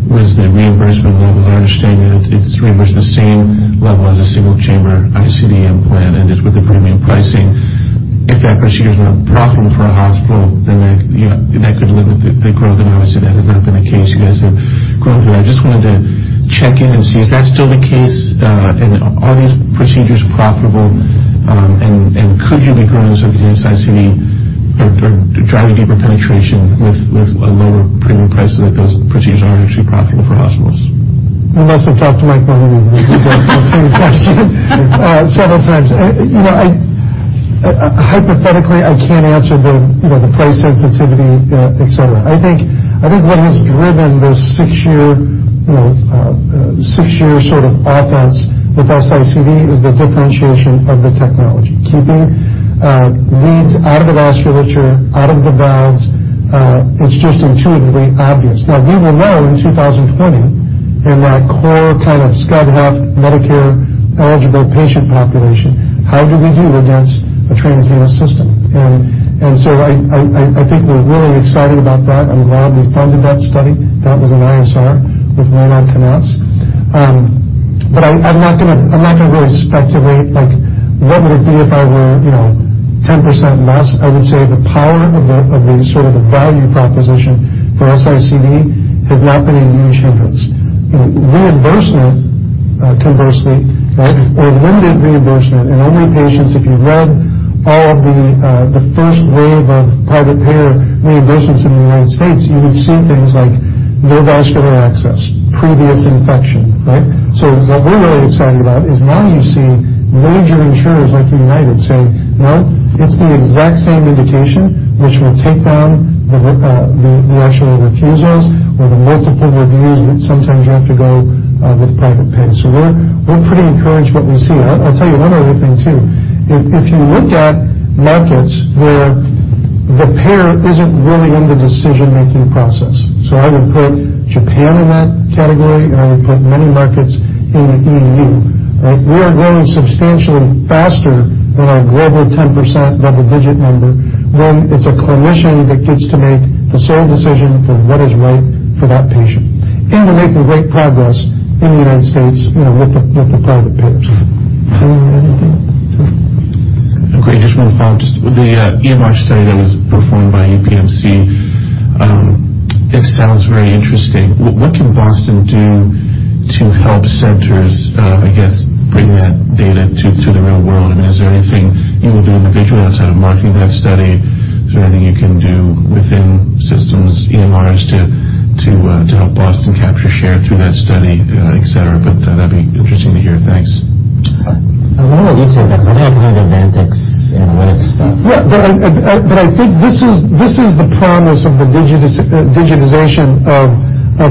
was the reimbursement level. Our understanding, it's reimbursed the same level as a single-chamber ICD implant, and it's with the premium pricing. If that procedure is not profitable for a hospital, that could limit the growth. Obviously, that has not been the case. You guys have grown. I just wanted to check in and see if that's still the case, and are these procedures profitable? Could you be growing sudden cardiac death ICD or driving deeper penetration with a lower premium price, so that those procedures are actually profitable for hospitals? You must have talked to Mike Mahoney because I've been asked the same question several times. Hypothetically, I can't answer the price sensitivity, et cetera. I think what has driven this six-year sort of offense with S-ICD is the differentiation of the technology. Keeping leads out of the vasculature, out of the valves. It's just intuitively obvious. We will know in 2020, in that core kind of SCD health Medicare-eligible patient population, how do we do against a transvenous system? So I think we're really excited about that. I'm glad we funded that study. That was an ISR with Reinoud Knops. I'm not going to really speculate, like, what would it be if I were 10% less? I would say the power of the sort of value proposition for S-ICD has not been a huge hindrance. Reimbursement, conversely, or limited reimbursement in only patients, if you read all of the first wave of private payer reimbursements in the U.S., you would have seen things like no vascular access, previous infection, right? What we're really excited about is now you're seeing major insurers like UnitedHealthcare say, "No, it's the exact same indication," which will take down the actual refusals or the multiple reviews that sometimes you have to go with private pay. We're pretty encouraged by what we see. I'll tell you one other thing, too. If you look at markets where the payer isn't really in the decision-making process, I would put Japan in that category, and I would put many markets in the EU. We are growing substantially faster than our global 10% double-digit number when it's a clinician that gets to make the sole decision for what is right for that patient. We're making great progress in the U.S. with the private payers. Do you have anything? Okay. I just want to follow up. The EMR study that was performed by UPMC, it sounds very interesting. What can Boston do to help centers, I guess, bring that data to the real world? I mean, is there anything you will do individually outside of marketing that study? Is there anything you can do within systems, EMRs, to help Boston capture share through that study, et cetera? That'd be interesting to hear. Thanks. A lot of retail banks, I think, have advanced analytics stuff. I think this is the promise of the digitization of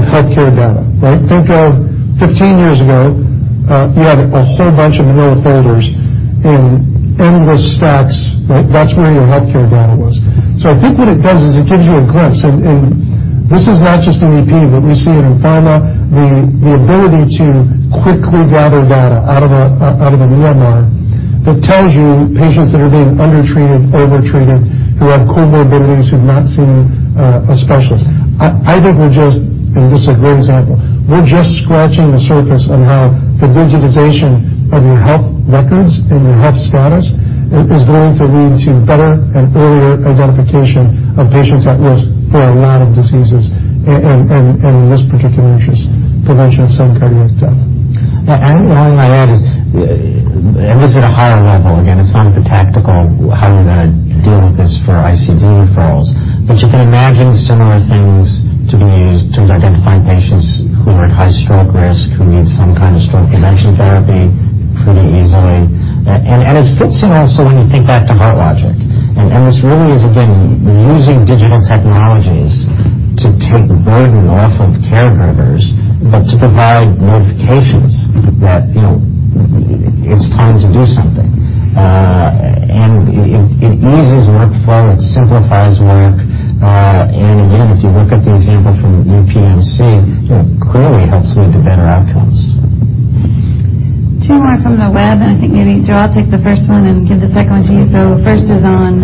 healthcare data, right? Think of 15 years ago, you had a whole bunch of little folders in endless stacks. That's where your healthcare data was. I think what it does is it gives you a glimpse, and this is not just in EP, but we see it in pharma, the ability to quickly gather data out of an EMR that tells you patients that are being undertreated, overtreated, who've comorbidities, who've not seen a specialist. I think we're just, and this is a great example, we're just scratching the surface on how the digitization of your health records and your health status is going to lead to better and earlier identification of patients at risk for a lot of diseases and, in this particular interest, prevention of sudden cardiac death. I think the only thing I'd add is, this is at a higher level, again, it's not the tactical how you're going to deal with this for ICD referrals. You can imagine similar things to be used to identify patients who are at high stroke risk, who need some kind of stroke prevention therapy pretty easily. It fits in also when you think back to HeartLogic. This really is, again, using digital technologies to take the burden off of caregivers, but to provide notifications that it's time to do something. It eases workflow, it simplifies work, again, if you look at the example from UPMC, clearly helps lead to better outcomes. Two more from the web, I think maybe, Joe, I'll take the first one and give the second one to you. First is on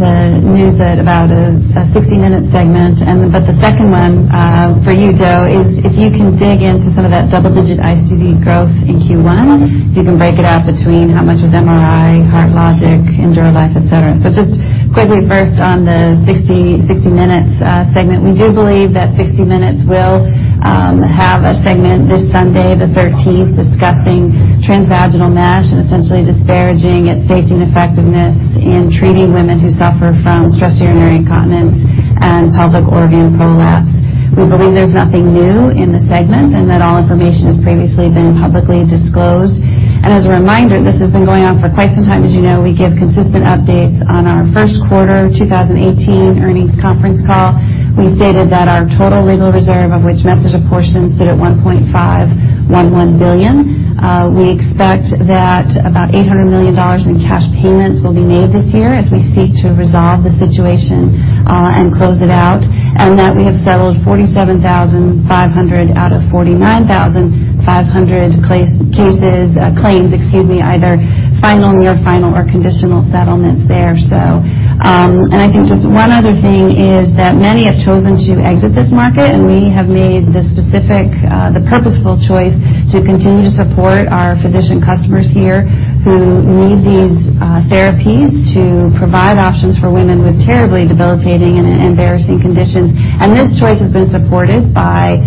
the news about a 60 Minutes segment, the second one for you, Joe, is if you can dig into that double-digit ICD growth in Q1. If you can break it out between how much was MRI, HeartLogic, EnduraLife, et cetera. Just quickly first on the 60 Minutes segment, we do believe that 60 Minutes will have a segment this Sunday, the 13th, discussing transvaginal mesh and essentially disparaging its safety and effectiveness in treating women who suffer from stress urinary incontinence and pelvic organ prolapse. We believe there's nothing new in the segment and that all information has previously been publicly disclosed. As a reminder, this has been going on for quite some time. As you know, we give consistent updates on our first quarter 2018 earnings conference call. We stated that our total legal reserve, of which mesh a portion stood at $1.511 billion. We expect that about $800 million in cash payments will be made this year as we seek to resolve the situation and close it out, we have settled 47,500 out of 49,500 claims, either final, near final, or conditional settlements there. I think just one other thing is that many have chosen to exit this market, we have made the purposeful choice to continue to support our physician customers here who need these therapies to provide options for women with terribly debilitating and embarrassing conditions. This choice has been supported by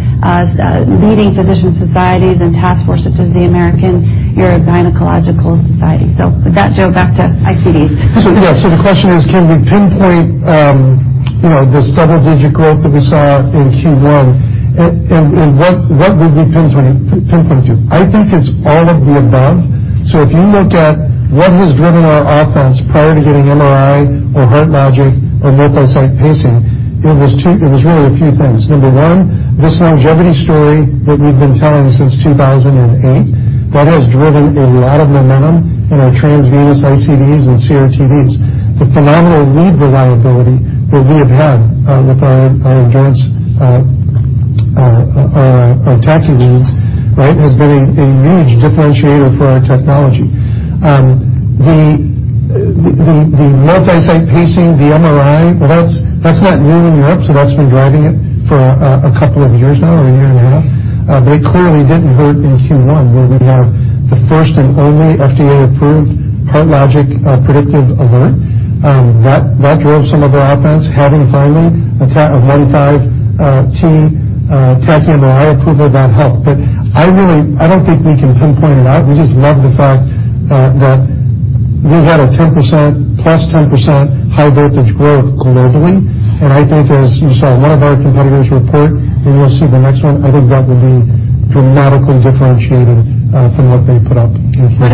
leading physician societies and task forces such as the American Urogynecologic Society. With that, Joe, back to ICD. Yes, the question is can we pinpoint this double-digit growth that we saw in Q1, and what would we pinpoint to? I think it's all of the above. If you look at what has driven our offense prior to getting MRI or HeartLogic or multi-site pacing, it was really a few things. Number one, this longevity story that we've been telling since 2008, that has driven a lot of momentum in our transvenous ICDs and CRT-Ds. The phenomenal lead reliability that we have had with our advanced or our tachy leads has been a huge differentiator for our technology. The multi-site pacing, the MRI, that's not new in Europe. That's been driving it for a couple of years now, or a year and a half. They clearly didn't hurt in Q1, where we are the first and only FDA-approved HeartLogic predictive alert. That drove some of our offense, having finally a 1.5 T tachy MRI approval. That helped. I don't think we can pinpoint it out. We just love the fact that we've had a +10% high-voltage growth globally. I think as you saw one of our competitors report, and we'll see the next one, I think that will be dramatically differentiated from what they put up in Q3.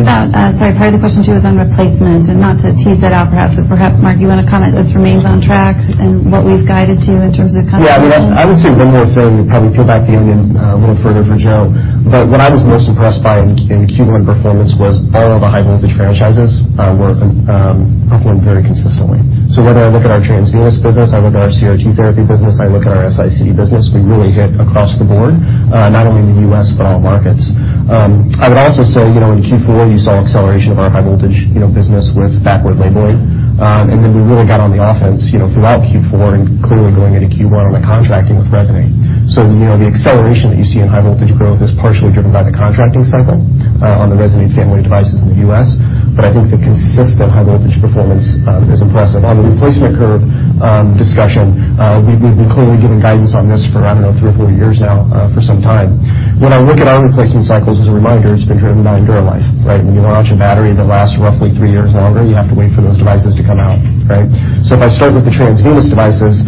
Sorry, part of the question too was on replacement and not to tease it out perhaps, but perhaps, Mark, you want to comment if this remains on track and what we've guided to in terms of the kind of. I would say one more thing, probably peel back the onion a little further for Joe. What I was most impressed by in Q1 performance was all of the high-voltage franchises performed very consistently. Whether I look at our transvenous business, I look at our CRT therapy business, I look at our S-ICD business, we really hit across the board, not only in the U.S. but all markets. I would also say, in Q4, you saw acceleration of our high-voltage business with backward labeling. Then we really got on the offense throughout Q4 and clearly going into Q1 on the contracting with Resonate. The acceleration that you see in high-voltage growth is partially driven by the contracting cycle on the Resonate family of devices in the U.S. I think the consistent high-voltage performance is impressive. On the replacement curve discussion, we've been clearly giving guidance on this for, I don't know, three or four years now for some time. When I look at our replacement cycles, as a reminder, it's been driven by EnduraLife, right? When you launch a battery that lasts roughly three years longer, you have to wait for those devices to come out, right? If I start with the transvenous devices,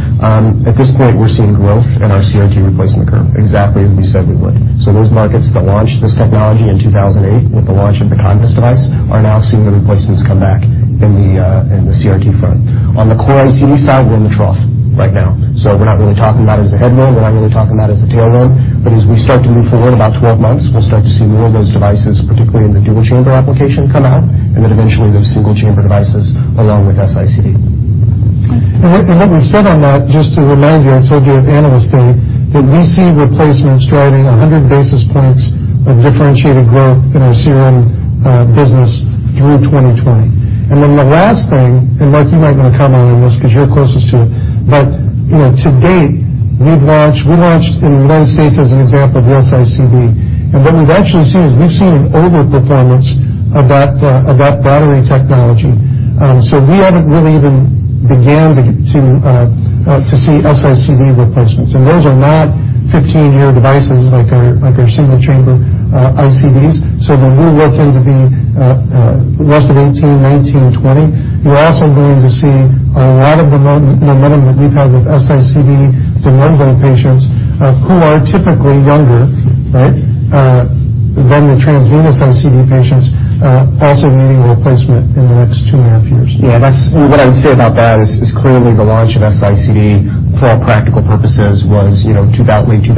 at this point, we're seeing growth in our CRT replacement curve, exactly as we said we would. Those markets that launched this technology in 2008 with the launch of the COGNIS device are now seeing the replacements come back in the CRT front. On the core ICD side, we're in the trough right now. We're not really talking about it as a headwind. We're not really talking about it as a tailwind. As we start to move forward about 12 months, we'll start to see more of those devices, particularly in the dual chamber application, come out, and then eventually those single-chamber devices along with S-ICD. Okay. What we've said on that, just to remind you, I told you at Analyst Day, that we see replacements driving 100 basis points of differentiated growth in our CRM business through 2020. The last thing, Mark, you might want to comment on this because you're closest to it, but to date, we launched in the UnitedHealthcare States as an example of the S-ICD. What we've actually seen is we've seen an overperformance of that battery technology. We haven't really even began to see S-ICD replacements. Those are not 15-year devices like our single-chamber ICDs. When we work into the rest of 2018, 2019, 2020, you're also going to see a lot of the momentum that we've had with S-ICD de novo patients who are typically younger than the transvenous ICD patients also needing a replacement in the next two and a half years. Yeah, what I would say about that is clearly the launch of S-ICD, for all practical purposes, was late 2012 into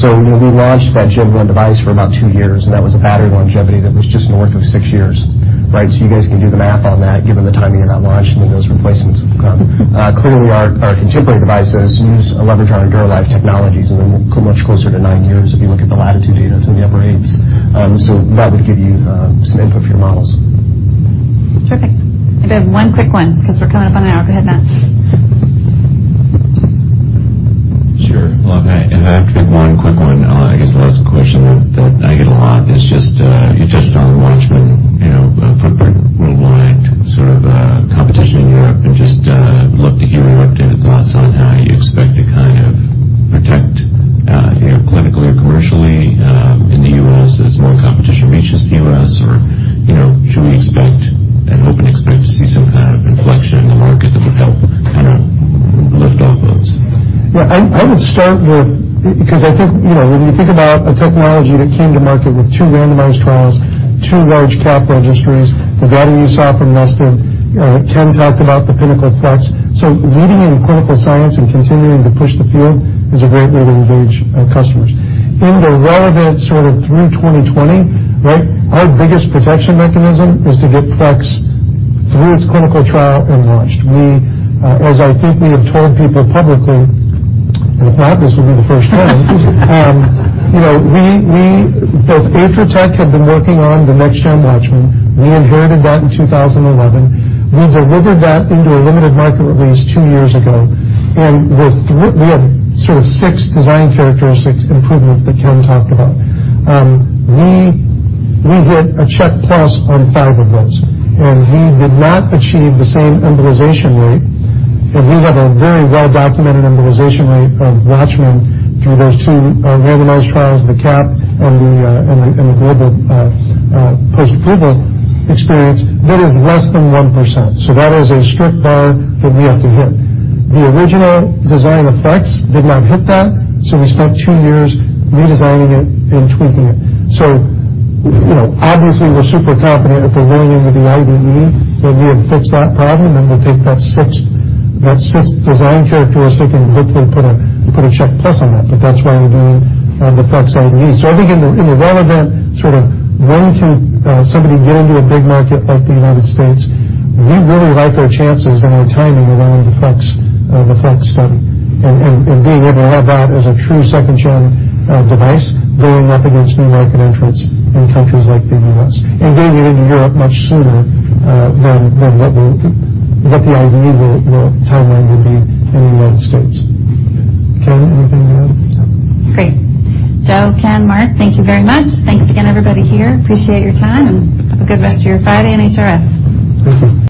2013. We launched that general device for about two years, and that was a battery longevity that was just north of six years. You guys can do the math on that, given the timing of that launch and when those replacements will come. Clearly, our contemporary devices use a leverage on EnduraLife technologies, and they're much closer to nine years. That would give you some input for your models. Terrific. I have one quick one, because we're coming up on an hour. Go ahead, Matt. Sure. Well, if I have to pick one quick one, I guess the last question that I get a lot is just, you touched on WATCHMAN footprint worldwide, sort of competition in Europe, and just love to hear your updated thoughts on how you expect to kind of protect clinically or commercially in the U.S. as more competition reaches the U.S. Should we expect and hope to see some kind of inflection in the market that would help kind of lift off loads? Yeah, I would start with, because I think, when you think about a technology that came to market with two randomized trials, two large CAP registries, the data you saw from NESTED, Ken talked about the PINNACLE FLX. Leading in clinical science and continuing to push the field is a great way to engage our customers. In the relevant sort of through 2020, right? Our biggest protection mechanism is to get WATCHMAN FLX through its clinical trial and launched. I think we have told people publicly, and if not, this will be the first time. Both Atritech had been working on the next gen WATCHMAN. We inherited that in 2011. We delivered that into a limited market release two years ago. We had sort of six design characteristics improvements that Ken talked about. We hit a check plus on five of those. We did not achieve the same embolization rate. We have a very well-documented embolization rate of WATCHMAN through those two randomized trials, the CAP and the global post-approval experience that is less than 1%. That is a strict bar that we have to hit. The original design effects did not hit that. We spent two years redesigning it and tweaking it. Obviously, we're super confident that by going into the IDE that we have fixed that problem. We take that sixth design characteristic and hopefully put a check plus on that. That's why we're doing the WATCHMAN FLX IDE. I think in the relevant sort of when can somebody get into a big market like the U.S., we really like our chances and our timing around the WATCHMAN FLX study and being able to have that as a true second-gen device going up against new market entrants in countries like the U.S. and being able to get into Europe much sooner than what the IDE timeline would be in the U.S. Ken, anything to add? No. Great. Joe, Ken, Mark, thank you very much. Thanks again, everybody here. Appreciate your time, and have a good rest of your Friday and HRS. Thank you.